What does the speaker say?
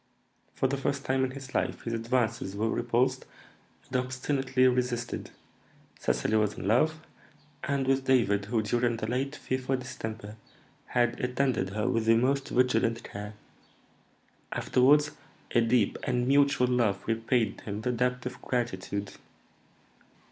For the first time in his life his advances were repulsed and obstinately resisted; Cecily was in love, and with David, who, during the late fearful distemper, had attended her with the most vigilant care. Afterwards a deep and mutual love repaid him the debt of gratitude.